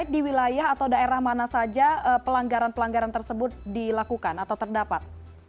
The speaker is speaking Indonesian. di wilayah atau daerah mana saja pelanggaran pelanggaran tersebut dilakukan atau terdapat